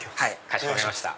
かしこまりました。